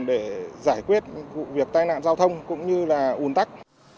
để giải quyết việc tai nạn giao thông cũng như là ồn tắc